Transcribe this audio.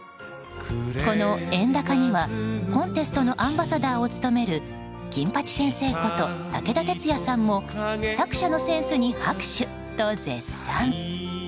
この「えんだか」にはコンテストのアンバサダーを務める金八先生こと、武田鉄矢さんも作者のセンスに拍手と絶賛。